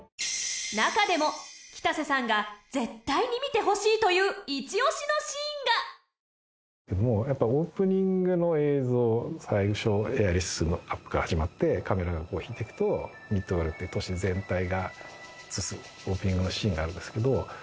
中でも、北瀬さんが絶対に見てほしいというイチ押しのシーンが最初、エアリスのアップから始まってカメラが引いていくとミッドガルっていう都市全体が映すオープニングのシーンがあるんですけど。